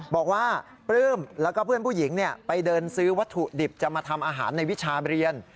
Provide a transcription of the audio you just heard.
บอกว่าปลื้มแล้วก็เพื่อนผู้หญิงไปเดินซื้อวัตถุดิบจะมาทำอาหารในวิชาเรียน